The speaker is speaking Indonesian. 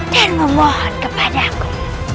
dan memohon kepadaku